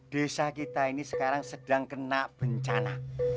desa kita ini sekarang sedang kena bencana